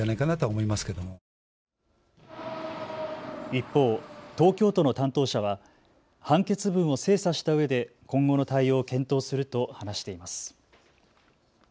一方、東京都の担当者は判決文を精査したしたうえで今後の対応を検討すると話しています。